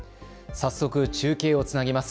早速、中継をつなぎます。